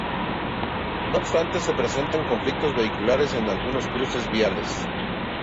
No obstante se presentan conflictos vehiculares en algunos cruces viales.